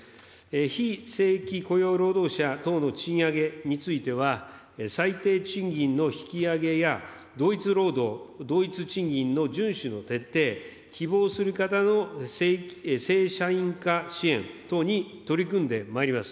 非正規雇用労働者等の賃上げについては、最低賃金の引き上げや、同一労働・同一賃金の順守の徹底、希望する方の正社員化支援等に取り組んでまいります。